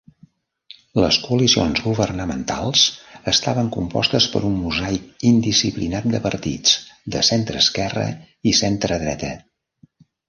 Les coalicions governamentals estaven compostes per un mosaic indisciplinat de partits de centreesquerra i centredreta.